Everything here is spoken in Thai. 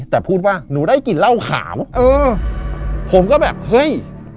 แต่พูดว่าหนูได้กลิ่นเหล้าขาวเออผมก็แบบเฮ้ย